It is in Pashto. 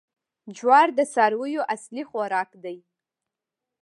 جوار د څارویو اصلي خوراک دی.